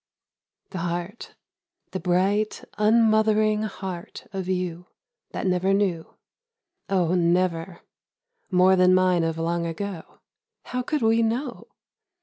The heart, the bright unmothering heart of you, That never knew. (O never, more than mine of long ago. How could we know?